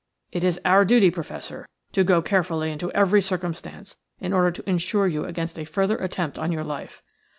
It is our duty, Professor, to go carefully into every circumstance in order to insure you against a further attempt on your life."